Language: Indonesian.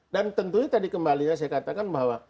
dan tentunya tadi kembalinya saya katakan bahwa